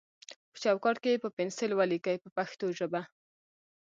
په چوکاټ کې یې په پنسل ولیکئ په پښتو ژبه.